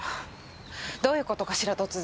どういう事かしら突然。